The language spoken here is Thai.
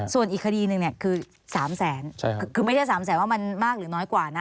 ส่วนอีกคดีหนึ่งเนี่ยคือ๓แสนคือไม่ใช่๓แสนว่ามันมากหรือน้อยกว่านะ